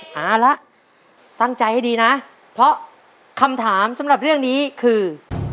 เอาละตั้งใจให้ดีนะเพราะคำถามสำหรับเรื่องนี้คือ